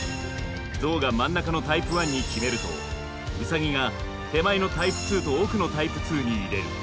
ゾウが真ん中のタイプ１に決めるとウサギが手前のタイプ２と奥のタイプ２に入れる。